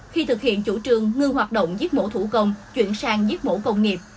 khi thực hiện chủ trương ngưng hoạt động giết mổ thủ công chuyển sang giết mổ công nghiệp